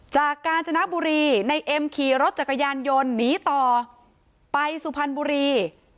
กาญจนบุรีในเอ็มขี่รถจักรยานยนต์หนีต่อไปสุพรรณบุรี